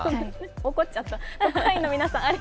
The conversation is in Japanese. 怒っちゃった。